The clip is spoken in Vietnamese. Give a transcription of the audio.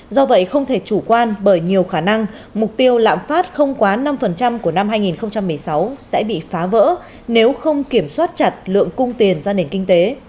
do vậy không thể chủ quan bởi nhiều khả năng mục tiêu lạm phát không quá năm của năm hai nghìn một mươi sáu sẽ bị phá vỡ nếu không kiểm soát chặt lượng cung tiền ra nền kinh tế